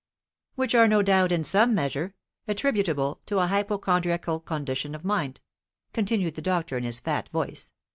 "Which are no doubt, in some measure, attributable to a hypochondriacal condition of mind," continued the doctor in his fat voice.